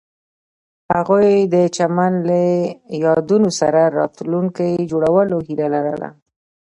هغوی د چمن له یادونو سره راتلونکی جوړولو هیله لرله.